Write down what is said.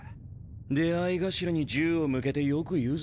出会い頭に銃を向けてよく言うぜ。